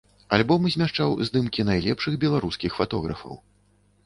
Альбом змяшчаў здымкі найлепшых беларускіх фатографаў.